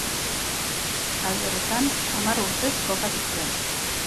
Talde horretan, hamar urtez jokatu zuen.